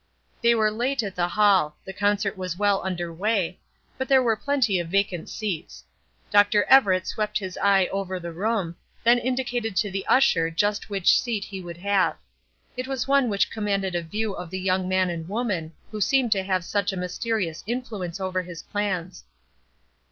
They were late at the hall; the concert was well under way; but there were plenty of vacant seats. Dr. Everett swept his eye over the room; then indicated to the usher just which seat he would have. It was one which commanded a view of the young man and woman who seemed to have such a mysterious influence over his plans.